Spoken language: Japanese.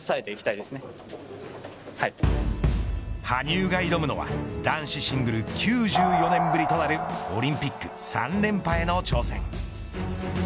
羽生が挑むのは男子シングル９４年ぶりとなるオリンピック３連覇への挑戦。